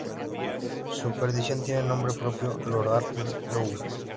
Su perdición tiene nombre propio: Lord Alfred Douglas.